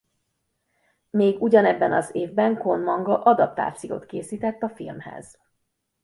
Még ugyanebben az évben Kon manga adaptációt készített a filmhez.